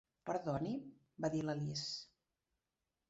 "Perdoni?", va dir l'Alice.